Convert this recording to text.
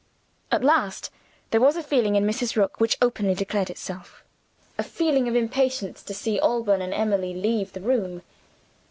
At last there was a feeling in Mrs. Rook which openly declared itself a feeling of impatience to see Alban and Emily leave the room.